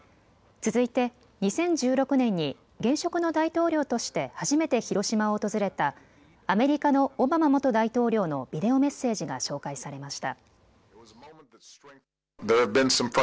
続いて２０１６年に現職の大統領として初めて広島を訪れたアメリカのオバマ元大統領のビデオメッセージが紹介されました。